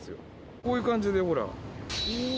こういう感じで、ほら。